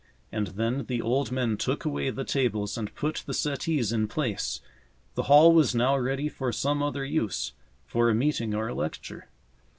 And then the old men took away the tables and put the settees in place. The hall was now ready for some other use, for a meeting or a lecture.